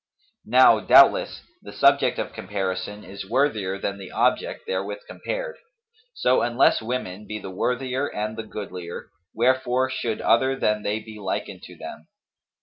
Now, doubtless, the subject of comparison is worthier than the object there with compared; so, unless women be the worthier and the goodlier, wherefore should other than they be likened to them?